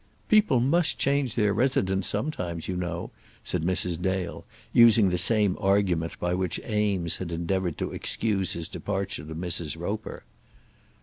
"People must change their residence sometimes, you know," said Mrs. Dale, using the same argument by which Eames had endeavoured to excuse his departure to Mrs. Roper.